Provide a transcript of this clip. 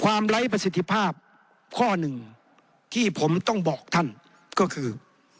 ไร้ประสิทธิภาพข้อหนึ่งที่ผมต้องบอกท่านก็คือ